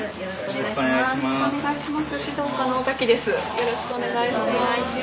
よろしくお願いします尾崎です。